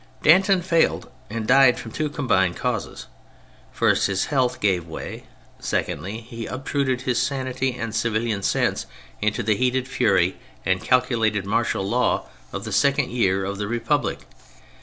Danton failed and died from two combined causes : first his health gave way, secondly he obtruded his sanity and civilian sense into the heated fury and calculated martial law of the second year of the Republic.